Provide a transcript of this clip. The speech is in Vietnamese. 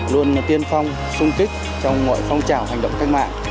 luôn tiên phong sung kích trong mọi phong trào hành động cách mạng